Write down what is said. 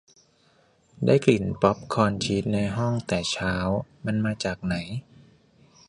ได้กลิ่นป๊อบคอร์นชีสในห้องแต่เช้า มันมาจากไหน ?